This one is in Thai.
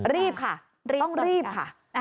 เรียบค่ะต้องเรียบค่ะ